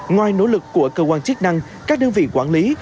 ngoài nỗ lực của cơ quan chức năng các đơn vị quản lý